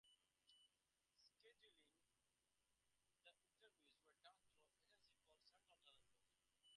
Scheduling the interviews were done through an agency called Central Talent Booking.